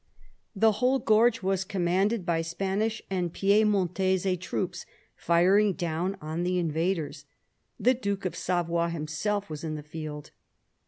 The whole gorge was commanded by Spanish and Piedmontese troops, firing down on the invaders ; the Duke of Savoy himself was in the field.